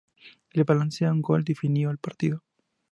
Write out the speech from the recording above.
El balance a un gol definió el partido.